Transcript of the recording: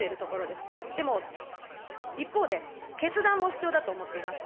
でも、一方で、決断も必要だと思っています。